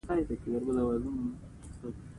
ستا مې ښکلا، زما دې زړه واخيستو